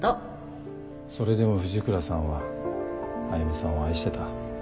それでも藤倉さんは歩美さんを愛してた。